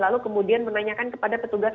lalu kemudian menanyakan kepada petugas